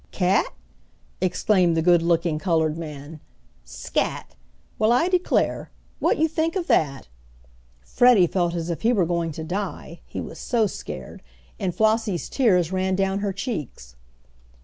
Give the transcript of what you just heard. "Cat?" exclaimed the good looking colored man. "Scat! Well, I declare! What you think of that?" Freddie felt as if he were going to die, he was so scared, and Flossie's tears ran down her cheeks.